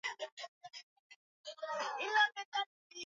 andaa nishati yako ya kupikia viazi lishe